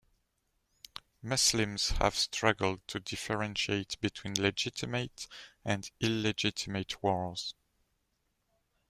Muslims have struggled to differentiate between legitimate and illegitimate wars.